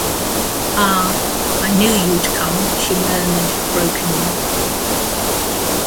"Ah, I knew you'd come," she murmured brokenly.